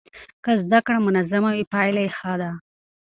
که زده کړه منظمه وي پایله یې ښه ده.